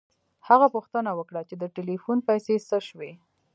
هغه پوښتنه وکړه چې د ټیلیفون پیسې څه شوې